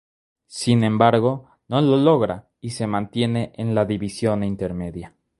Sin embargo, no lo logra y se mantiene en la División Intermedia.